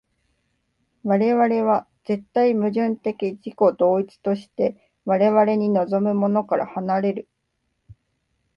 我々は絶対矛盾的自己同一として我々に臨むものから離れる。